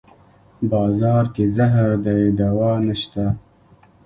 بازار کې زهر دی دوانشته